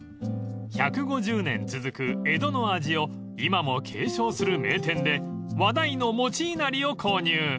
［１５０年続く江戸の味を今も継承する名店で話題の餅いなりを購入］